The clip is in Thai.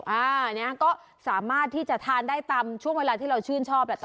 อันนี้ก็สามารถที่จะทานได้ตามช่วงเวลาที่เราชื่นชอบแหละ